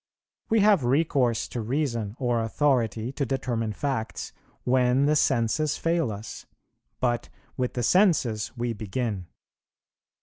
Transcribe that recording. We have recourse to reason or authority to determine facts, when the senses fail us; but with the senses we begin.